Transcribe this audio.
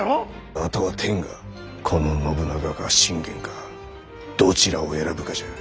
あとは天がこの信長か信玄かどちらを選ぶかじゃ。